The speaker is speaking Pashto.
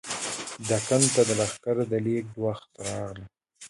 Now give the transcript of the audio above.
دکن ته د لښکر د لېږد وخت راغی.